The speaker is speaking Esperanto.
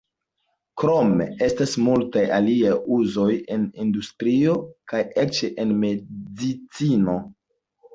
Krome estas multaj aliaj uzoj en industrio, kaj eĉ en medicino.